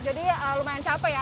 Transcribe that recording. jadi lumayan capek ya